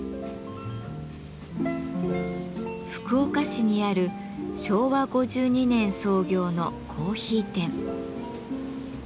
福岡市にある昭和５２年創業のコーヒー店。